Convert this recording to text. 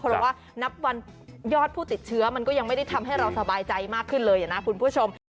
เพราะว่านับวันยอดผู้ติดเชื้อมันก็ยังไม่ได้ทำให้เราสบายใจมากขึ้นเลยนะคุณผู้ชม